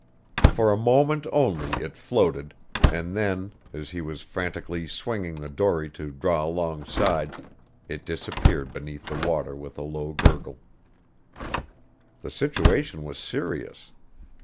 For a moment only it floated; and then, as he was frantically swinging the dory to draw alongside, it disappeared beneath the water with a low gurgle. The situation was serious.